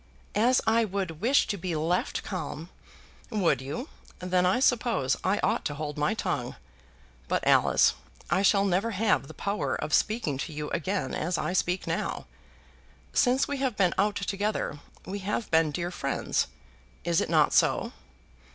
"As I would wish to be left calm " "Would you? Then I suppose I ought to hold my tongue. But, Alice, I shall never have the power of speaking to you again as I speak now. Since we have been out together, we have been dear friends; is it not so?"